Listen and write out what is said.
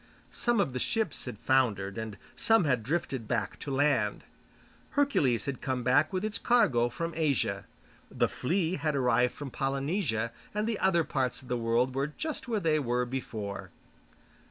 Some of the ships had foundered, and some had drifted back to land. Hercules had come back with its cargo from Asia, The Flea had arrived from Polynesia, and the other parts of the world were just where they were before.